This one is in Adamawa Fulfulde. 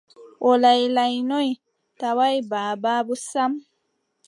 O laylanyoy, tawaay baaba boo sam ;